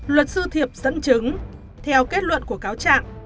luật sư thiệp dẫn chứng theo kết luận của cáo trạng